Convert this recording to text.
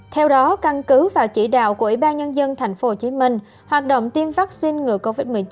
theo đó căn cứ vào chỉ đạo của ủy ban nhân dân tp hcm hoạt động tiêm vaccine ngừa covid một mươi chín